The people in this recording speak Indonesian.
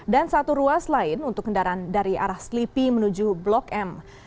dan satu ruas lain untuk kendaraan dari arah slipi menuju blok m